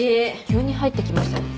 急に入ってきましたね。